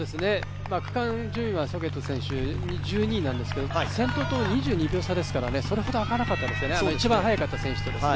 区間順位はソゲット選手１２位なんですけど先頭と２２秒差ですからそれほど開かなかったですよね、一番速かった選手とですね。